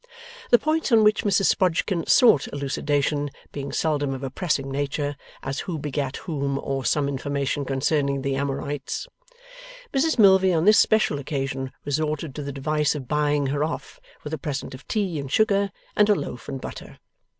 The points on which Mrs Sprodgkin sought elucidation being seldom of a pressing nature (as Who begat Whom, or some information concerning the Amorites), Mrs Milvey on this special occasion resorted to the device of buying her off with a present of tea and sugar, and a loaf and butter.